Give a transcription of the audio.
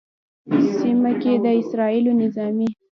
سیمه کې د اسرائیلو نظامي